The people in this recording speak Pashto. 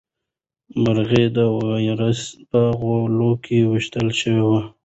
مرغۍ د وارث په غولکه وویشتل شوه.